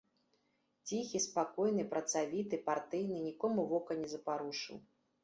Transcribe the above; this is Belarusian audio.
Ціхі, спакойны, працавіты, партыйны, нікому вока не запарушыў.